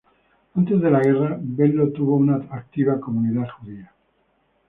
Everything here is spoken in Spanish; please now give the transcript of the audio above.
Antes de la guerra, Venlo tuvo una activa comunidad judía.